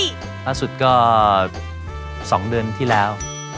ล่าสุดก็๒เดือนที่แล้ว